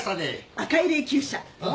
赤い霊きゅう車。